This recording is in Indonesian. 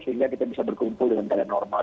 sehingga kita bisa berkumpul dengan keadaan normal